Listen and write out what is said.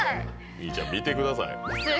みぃちゃん見てください。